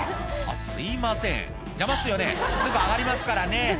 「あっすいません邪魔っすよねすぐ上がりますからね」